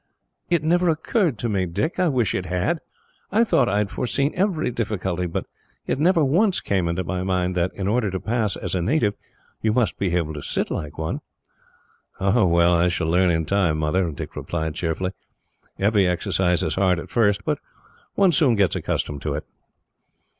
"It never once occurred to me, Dick. I wish it had. I thought I had foreseen every difficulty, but it never once came into my mind that, in order to pass as a native, you must be able to sit like one." "Ah, well, I shall learn in time, Mother," Dick replied cheerfully. "Every exercise is hard at first, but one soon gets accustomed to it."